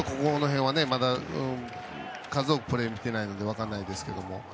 まだ数多くプレーを見てないので分からないですけど。